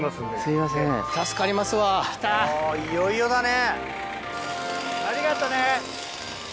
いよいよだね。ありがとね！